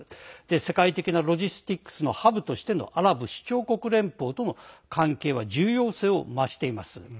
世界的なロジスティックスのハブとしてのアラブ首長国連邦との関係は重要性を増しています。